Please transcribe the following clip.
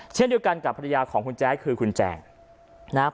เช่นเดียวกันกับภรรยาของคุณแจ๊คคือคุณแจงนะครับ